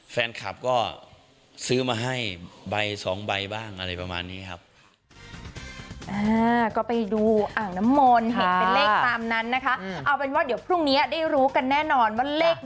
แฟนคลับก็ซื้อมาให้ใบ๒ใบบ้างอะไรประมาณนี้ครับ